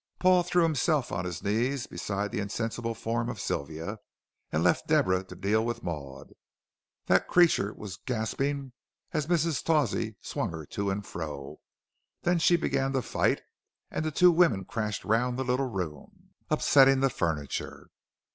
Paul threw himself on his knees beside the insensible form of Sylvia and left Deborah to deal with Maud. That creature was gasping as Mrs. Tawsey swung her to and fro. Then she began to fight, and the two women crashed round the little room, upsetting the furniture.